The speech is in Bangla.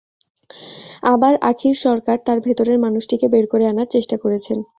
আবার আখির সরকার তাঁর ভেতরের মানুষটিকে বের করে আনার চেষ্টা করেছেন।